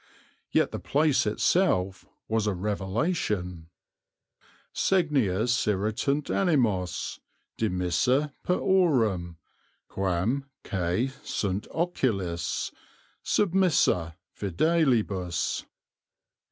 Yet the place itself was a revelation. Segnius irritant animos demissa per aurem Quam quæ sunt oculis submissa fidelibus.